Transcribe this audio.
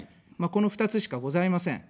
この２つしかございません。